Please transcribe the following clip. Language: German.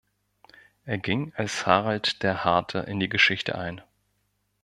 Er ging als Harald der Harte in die Geschichte ein.